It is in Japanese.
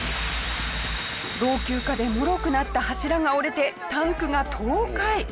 老朽化でもろくなった柱が折れてタンクが倒壊！